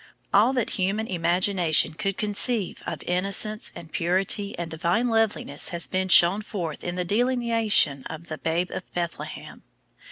All that human imagination could conceive of innocence and purity and divine loveliness has been shown forth in the delineation of the Babe of Bethlehem.